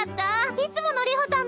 いつもの流星さんだ。